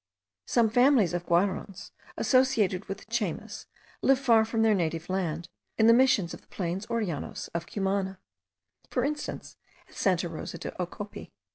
Some families of Guaraons, associated with the Chaymas, live far from their native land, in the Missions of the plains or llanos of Cumana; for instance, at Santa Rosa de Ocopi.